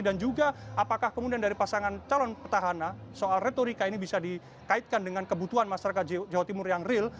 dan juga apakah kemudian dari pasangan calon petahana soal retorika ini bisa dikaitkan dengan kebutuhan masyarakat jawa timur yang real